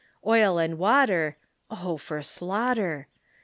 Oil and water, (oh, for slaughter!)